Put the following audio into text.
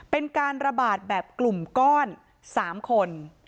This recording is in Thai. เป็นการระบาดแบบกลุ่มก้อน๓คน